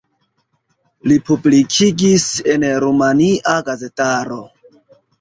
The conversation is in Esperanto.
Li publikigis en rumania gazetaro.